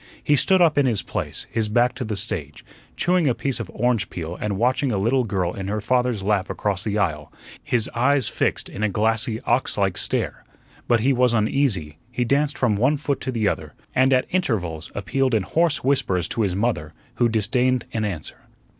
He stood up in his place, his back to the stage, chewing a piece of orange peel and watching a little girl in her father's lap across the aisle, his eyes fixed in a glassy, ox like stare. But he was uneasy. He danced from one foot to the other, and at intervals appealed in hoarse whispers to his mother, who disdained an answer.